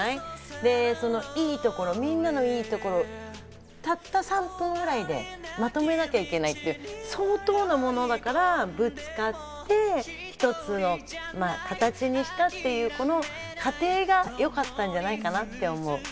で、いいところ、みんなのいいところ、たった３分ぐらいで、まとめなきゃいけないって相当なものだから、ぶつかって、一つの形にしたっていう過程がよかったんじゃないかなって思う。